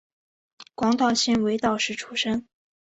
广岛县尾道市出身。